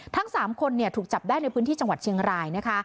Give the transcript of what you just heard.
ทั้ง๓คนถูกจับได้ในพื้นที่จังหวัดเชียงรายนะคะ